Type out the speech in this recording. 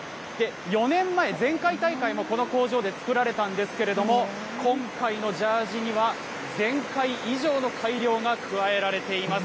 ４年前、前回大会もこの工場で作られたんですけれども、今回のジャージには、前回以上の改良が加えられています。